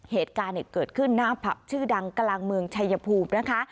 เหตุการณ์เกิดขึ้นหน้าผับชื่อดังกลางเมืองชายภูมินะคะ